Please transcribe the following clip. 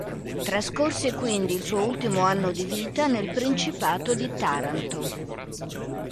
Trascorse quindi il suo ultimo anno di vita nel Principato di Taranto.